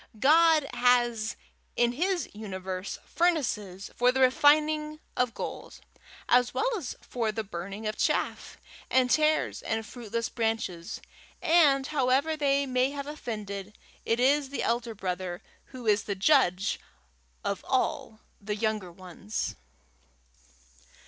God has in his universe furnaces for the refining of gold, as well as for the burning of chaff and tares and fruitless branches; and, however they may have offended, it is the elder brother who is the judge of all the younger ones.